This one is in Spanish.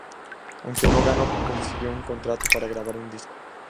Aunque no ganó, consiguió un contrato para grabar un disco.